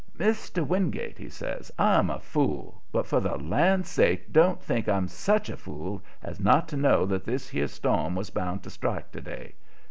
"Mr. Wingate," he says, "I'm a fool, but for the land's sake don't think I'm SUCH a fool as not to know that this here storm was bound to strike to day.